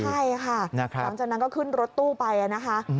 ใช่ค่ะหลังจากนั้นก็ขึ้นรถตู้ไปนะคะ